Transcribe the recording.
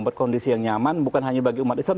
membuat kondisi yang nyaman bukan hanya bagi umat islam